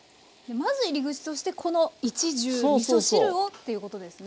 まず入り口としてこの一汁みそ汁をっていうことですね。